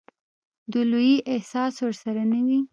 د لويي احساس ورسره نه وي.